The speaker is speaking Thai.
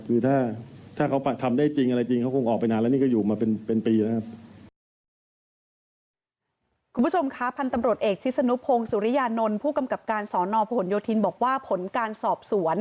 คือถ้าเขาทำได้จริงอะไรจริงเขาคงออกไปนานแล้วนี่ก็อยู่มาเป็นปีนะครับ